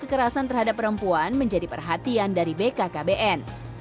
kekerasan terhadap perempuan menjadi perhatian dari bkkbn